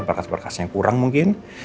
berkas berkas yang kurang mungkin